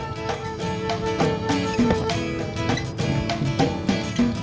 aku mau pergi